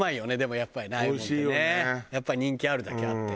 やっぱり人気あるだけあって。